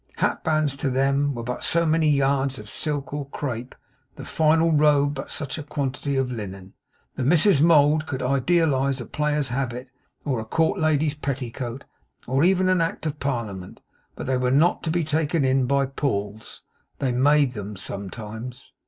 Hat bands, to them, were but so many yards of silk or crape; the final robe but such a quantity of linen. The Misses Mould could idealise a player's habit, or a court lady's petticoat, or even an act of parliament. But they were not to be taken in by palls. They made them sometimes.